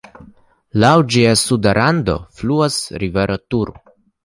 Laŭ ĝia suda rando fluas rivero Tur.